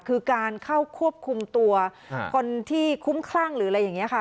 คือการเข้าควบคุมตัวคนที่คุ้มคลั่งหรืออะไรอย่างนี้ค่ะ